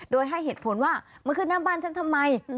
โดยให้เหตุผลว่ามันคือน้ำบ้านฉันทำไม